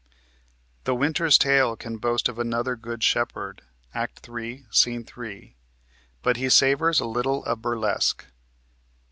The "Winter's Tale" can boast of another good shepherd (Act 3, Sc. 3), but he savors a little of burlesque.